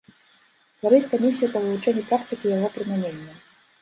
Стварыць камісію па вывучэнні практыкі яго прымянення.